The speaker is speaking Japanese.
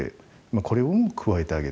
これも加えてあげる。